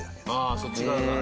ああそっち側が。